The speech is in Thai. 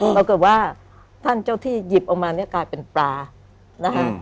ปรากฏว่าท่านเจ้าที่หยิบออกมาเนี่ยกลายเป็นปลานะฮะ